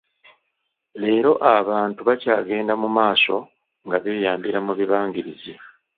Leero abantu bakyagenda mu maaso nga beeyambira mu bibangirizi.